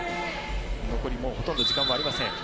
残り、もうほとんど時間はありません。